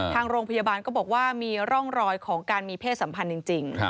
ทางโรงพยาบาลก็บอกว่ามีร่องรอยของการมีเพศสัมพันธ์จริง